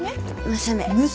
娘。